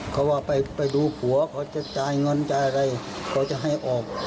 เขาว่าไปดูผัวเขาจะจ่ายเงินจ่ายอะไรเขาจะให้ออก